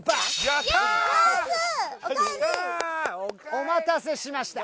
お待たせしました！